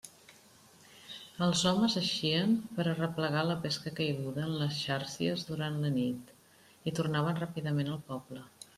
Els homes eixien per a arreplegar la pesca caiguda en les xàrcies durant la nit, i tornaven ràpidament al poble.